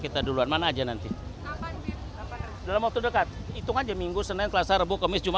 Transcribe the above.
kita duluan mana aja nanti dalam waktu dekat itu kan jeminggu senang klasa rebuk kemiskinan